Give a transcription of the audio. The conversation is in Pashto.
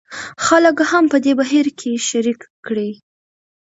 خلک هم په دې بهیر کې شریک کړي.